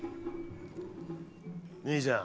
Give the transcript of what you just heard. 兄ちゃん。